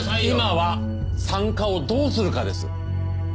今は産科をどうするかです。